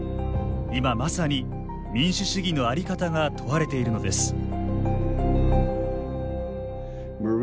今まさに、民主主義の在り方が問われているのです。